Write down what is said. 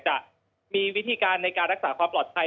จะมีวิธีการในการรักษาความปลอดภัย